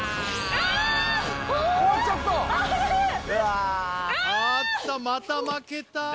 あったまた負けた。